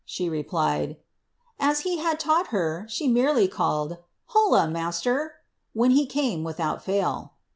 She replied, 'As he had laiiglil her. she merelv called, ■ Ifolla. ma'ler!" when he came wilhoHI fail.'